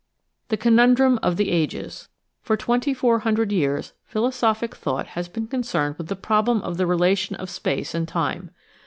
THE CONUNDRUM OF THE AGES For twenty four hundred years philosophic thought has been concerned with the problem of the relation of space and time.